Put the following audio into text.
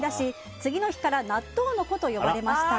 次の日から納豆の子と呼ばれました。